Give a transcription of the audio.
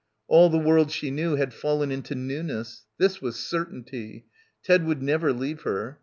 All the world she knew had fallen into newness. This was certainty. Ted would never leave her.